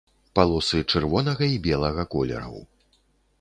Палосы чырвонага і белага колераў.